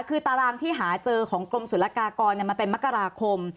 คือตารางที่หาเจอของกรมศุลกากรมันเป็นมกราคม